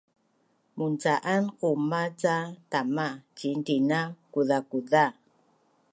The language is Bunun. Munca’an qumah ca tama ciin tina kuzakuza